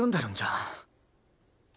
ん？